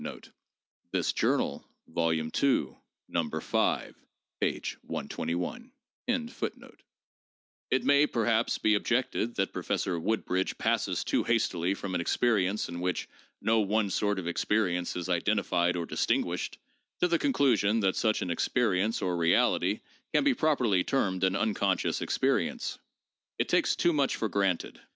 3 It may, perhaps, be objected that Professor Woodbridge passes too hastily from an experience in which 'no one sort of experience is identified or distinguished' to the conclusion that such an experi ence or reality can be properly termed an unconscious experience. It takes too much for granted.